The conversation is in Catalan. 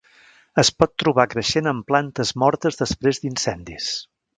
Es pot trobar creixent en plantes mortes després d'incendis.